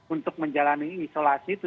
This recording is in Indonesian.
untuk menjalani isolasi